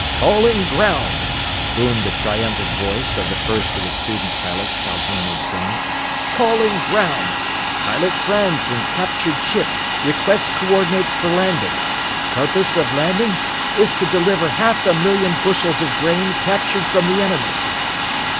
"Calling ground," boomed the triumphant voice of the first of the student pilots Calhoun had trained. "Calling ground! Pilot Franz in captured ship requests coordinates for landing! Purpose of landing is to deliver half a million bushels of grain captured from the enemy!"